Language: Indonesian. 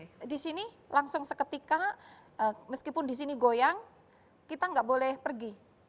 itu petugas di sini langsung seketika meskipun di sini goyang kita enggak boleh pergi